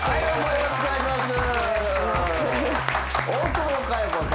よろしくお願いします。